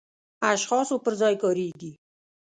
اشخاصو پر ځای کاریږي.